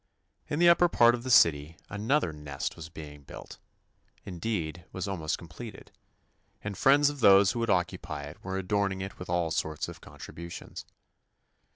In the upper part of the city another "nest" was being built — indeed, was almost completed — and friends of those who would occupy it were adorning it with all sorts of contri butions.